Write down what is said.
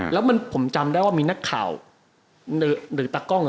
แล้วผมจำได้ว่ามีนักข่าวหรือตากล้องเหรอ